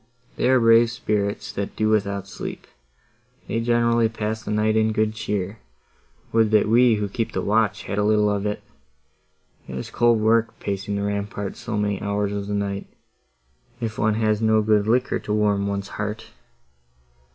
They are brave spirits, that do without sleep—they generally pass the night in good cheer; would that we, who keep the watch, had a little of it! It is cold work, pacing the ramparts so many hours of the night, if one has no good liquor to warm one's heart."